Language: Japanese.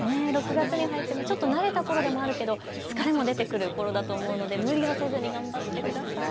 ６月に入って慣れたころでもあるでしょうけど疲れも出てくるころだと思うので無理をせずに頑張ってください。